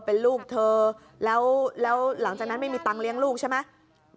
เป็นลูกเธอแล้วหลังจากนั้นไม่มีตังค์เลี้ยงลูกใช่ไหม